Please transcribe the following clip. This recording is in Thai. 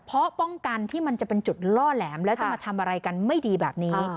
เพราะป้องกันที่มันจะเป็นจุดล่อแหลมแล้วจะมาทำอะไรกันไม่ดีแบบนี้